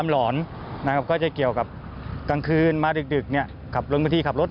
สวัสดีครับ